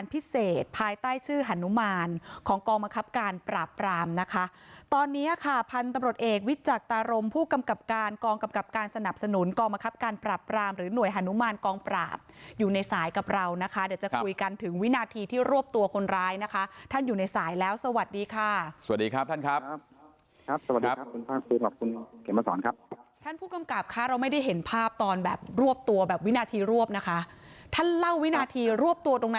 ปราบปรามนะคะตอนนี้ค่ะพันธ์ตำรดเอกวิจักตรรมผู้กำกับการกองกำกับการสนับสนุนกองมะครับการปราบปรามหรือหน่วยหนุมานกองปราบอยู่ในสายกับเรานะคะเดี๋ยวจะคุยกันถึงวินาทีที่รวบตัวคนร้ายนะคะท่านอยู่ในสายแล้วสวัสดีค่ะสวัสดีครับท่านครับครับสวัสดีครับครับครับครับครับครับครับครับครับครับครับครั